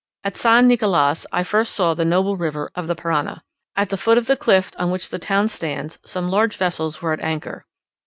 At San Nicolas I first saw the noble river of the Parana. At the foot of the cliff on which the town stands, some large vessels were at anchor.